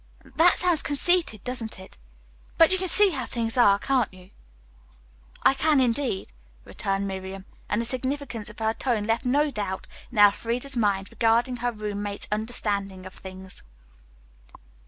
That sounds conceited, doesn't it? But you can see how things are, can't you?" "I can, indeed," returned Miriam, and the significance of her tone left no doubt in Elfreda's mind regarding her roommate's understanding of things.